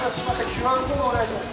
ＱＲコードお願いします。